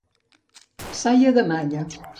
Saia de Malla.